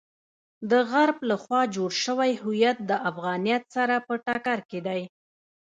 د غرب لخوا جوړ شوی هویت د افغانیت سره په ټکر کې دی.